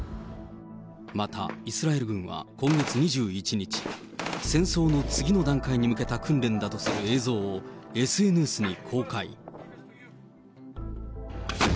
また、イスラエル軍は今月２１日、戦争の次の段階に向けた訓練だとする映像をＳＮＳに公開。